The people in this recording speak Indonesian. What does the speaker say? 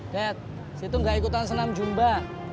dad situ gak ikutan senam jumba